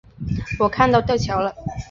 我看到吊桥了